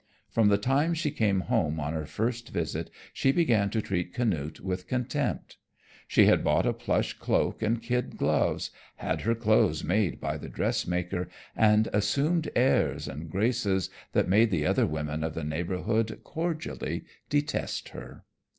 From the time she came home on her first visit she began to treat Canute with contempt. She had bought a plush cloak and kid gloves, had her clothes made by the dress maker, and assumed airs and graces that made the other women of the neighborhood cordially detest her.